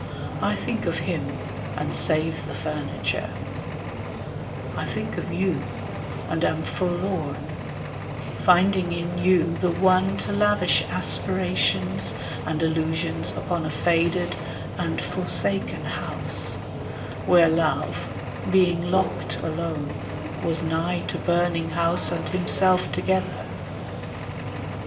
I think of him, And save the furniture; I think of you, And am forlorn, finding in you the one To lavish aspirations and illusions Upon a faded and forsaken house Where love, being locked alone, was nigh to burning House and himself together.